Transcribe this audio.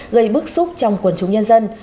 gây bức xúc trong quần chúng nhân dân